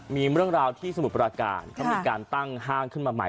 มีเรื่องราวที่สมุทรประการเขามีการตั้งห้างขึ้นมาใหม่